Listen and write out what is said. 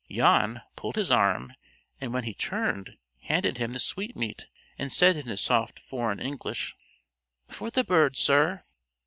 Jan pulled his arm, and when he turned, handed him the sweetmeat, and said in his soft foreign English: "For the bird, sir."